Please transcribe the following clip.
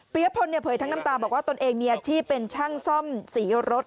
ยพลเนี่ยเผยทั้งน้ำตาบอกว่าตนเองมีอาชีพเป็นช่างซ่อมสีรถ